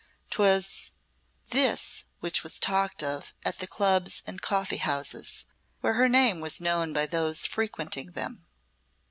'Twas this which was talked of at the clubs and coffee houses, where her name was known by those frequenting them.